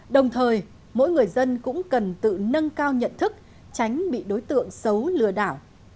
đồng thời mỗi người dân cũng cần tự nâng cao nhận thức tránh bị đối tượng xấu lừa đảo